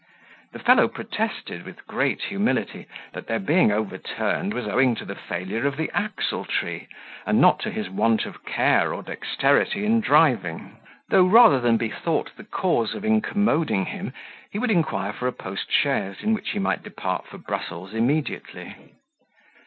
The fellow protested, with great humility, that their being overturned was owing to the failure of the axle tree, and not to his want of care or dexterity in driving; though rather than be thought the cause of incommoding him, he would inquire for a post chaise, in which he might depart for Brussels immediately.